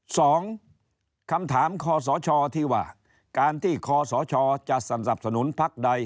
สองคำถามคอสชที่ว่าการที่คอสชจะสนับสนุนพักใด